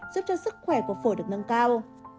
giúp cho sức khỏe của phổi được nâng cao